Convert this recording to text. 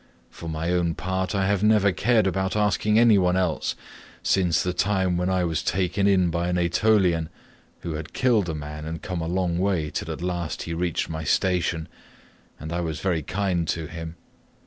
For my own part I have never cared about asking anyone else since the time when I was taken in by an Aetolian, who had killed a man and come a long way till at last he reached my station, and I was very kind to him.